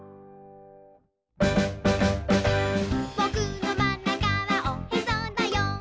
「ぼくのまんなかはおへそだよ」